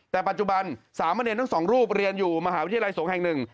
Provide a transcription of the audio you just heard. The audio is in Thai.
แต่ปัจจุบันสามเณรทั้งสองรูปเรียนอยู่มหาวิทยาลัยสงฆ์แห่งหนึ่ง